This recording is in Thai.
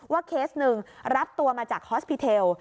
เคสหนึ่งรับตัวมาจากฮอสพิเทล